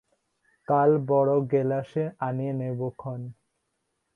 কাল বড় গেলাসে আনিয়ে নেব ক্ষণ।